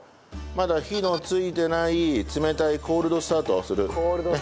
まだ火のついてない冷たいコールドスタートをする。